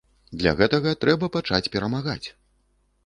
Для гэтага трэба пачаць перамагаць.